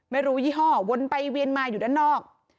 ยี่ห้อวนไปเวียนมาอยู่ด้านนอก